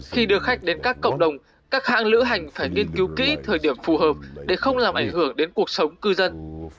khi đưa khách đến các cộng đồng các hãng lữ hành phải nghiên cứu kỹ thời điểm phù hợp để không làm ảnh hưởng đến cuộc sống cư dân